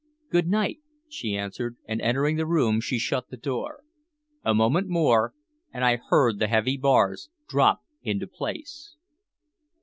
"Good night," she answered, and, entering the room, she shut the door. A moment more, and I heard the heavy bars drop into place.